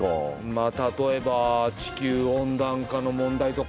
まあ例えば地球温暖化の問題とか？